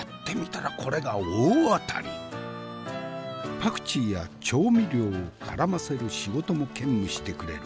パクチーや調味料をからませる仕事も兼務してくれる。